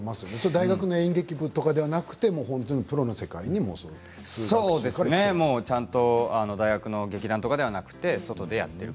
大学の演劇部とかではなくちゃんと大学の劇団ではなく、外でやっている。